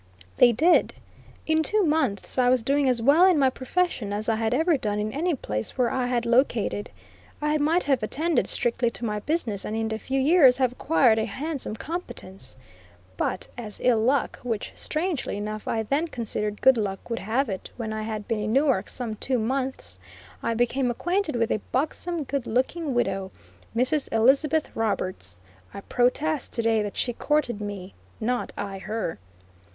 They did. In two months I was doing as well in my profession as I had ever done in any place where I had located. I might have attended strictly to my business, and in a few years have acquired a handsome competence. But, as ill luck, which, strangely enough, I then considered good luck, would have it, when I had been in Newark some two months, I became acquainted with a buxom, good looking widow, Mrs. Elizabeth Roberts. I protest to day that she courted me not I her.